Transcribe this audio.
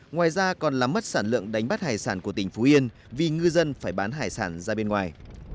ngoài ra còn làm mất sản lượng đánh bắt hải sản của tỉnh phú yên vì ngư dân phải bán hải sản ra bên ngoài